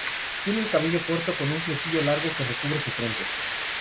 Tiene el cabello corto, con un flequillo largo que recubre su frente.